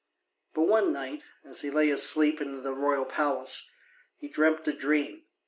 But one night, as he lay asleep in the royal palace, he dreamt a dream.